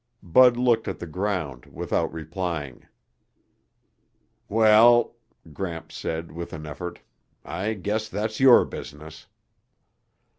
Bud looked at the ground without replying. "Well," Gramps said with an effort, "I guess that's your business."